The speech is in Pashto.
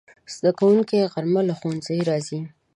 زدهکوونکي غرمه له ښوونځي راځي